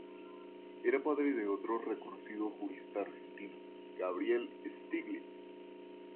Era padre de otro reconocido jurista argentino, Gabriel Stiglitz.